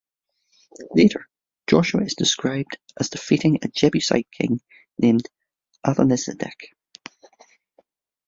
Later, Joshua is described as defeating a Jebusite king named "Adonizedek".